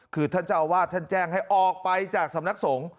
คือท่านเจ้าอาวาสท่านแจ้งให้ออกไปจากสำนักสงฆ์